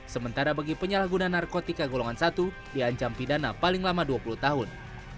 sementara bagi penyalahguna narkotika golongan satu diancam pidana paling lama dua puluh tahun